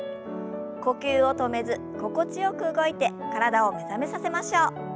呼吸を止めず心地よく動いて体を目覚めさせましょう。